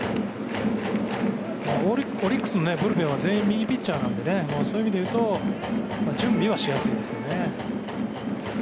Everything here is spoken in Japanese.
オリックスのブルペンは全員右ピッチャーなんでねそういう意味でいうと準備はしやすいですよね。